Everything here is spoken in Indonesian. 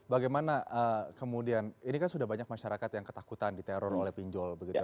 bagaimana kemudian ini kan sudah banyak masyarakat yang ketakutan diteror oleh pinjol begitu